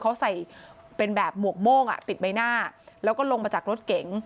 เขาใส่เป็นแบบหมวกโม่งอ่ะติดใบหน้าแล้วก็ลงมาจากรถเก๋ง